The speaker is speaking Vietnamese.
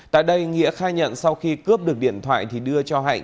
tại đây nghĩa khai nhận sau khi cướp được điện thoại thì đưa cho hạnh